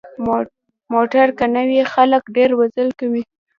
موټر که نه وي، خلک ډېر مزل کوي.